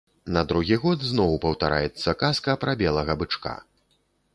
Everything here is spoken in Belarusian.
На другі год зноў паўтараецца казка пра белага бычка.